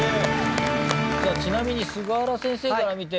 ちなみに菅原先生から見て。